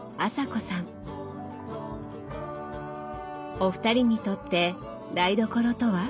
お二人にとって台所とは？